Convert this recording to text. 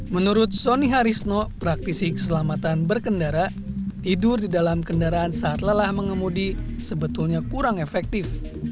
menurut sonny harisno praktisi keselamatan berkendara tidur di dalam kendaraan saat lelah mengemudi sebetulnya kurang efektif